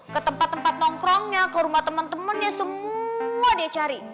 ke tempat tempat nongkrongnya ke rumah teman temannya semua dia cari